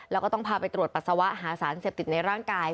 แล้วก็ต้องพาไปตรวจปัสสาวะหาสารเสพติดในร่างกาย